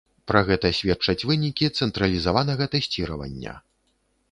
Пра гэта сведчаць вынікі цэнтралізаванага тэсціравання.